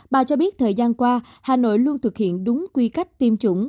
bà cho biết thời gian qua hà nội luôn thực hiện đúng quy cách tiêm chủng